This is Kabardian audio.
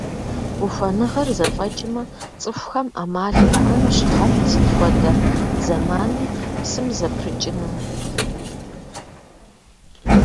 Ухуэныгъэр зэфӀэкӀмэ, цӀыхухэм Ӏэмал яӀэнущ гъэм и сыт хуэдэ зэманми псым зэпрыкӀыну.